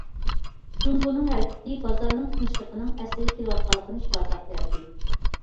جۇڭگونىڭ ھەرىكىتى بازارنىڭ تىنچلىقىنىڭ ئەسلىگە كېلىۋاتقانلىقىنى ئىپادىلەپ بەردى.